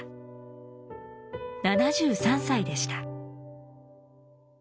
７３歳でした。